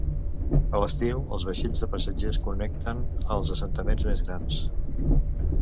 A l"estiu, els vaixells de passatgers connecten els assentaments més grans.